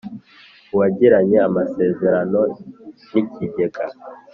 uwagiranye amasezerano n ikigega